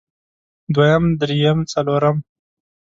دويم درېيم څلورم